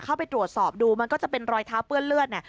เข้าไปตรวจสอบดูมันก็จะเป็นรอยเท้าเปื้อนเลือดเนี่ย